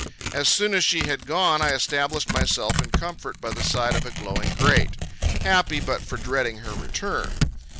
As soon as she had gone, I established myself in comfort by the side of a glowing grate, happy but for dreading her return.